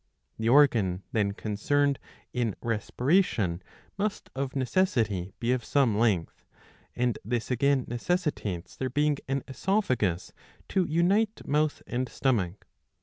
The organ then concerned in respiration must of necessity be of some length ; and this again necessitates there being an oesophagus to unite mouth and stomach.